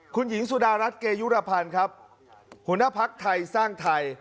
คุณหญิงสุดารัฐเกยุรพันธ์ครับหัวหน้าภักดิ์ไทยสร้างไทย